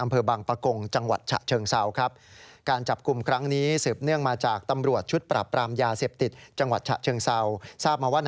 อำเภอบังปะกงจังหวัดฉะเชิงเซาครับ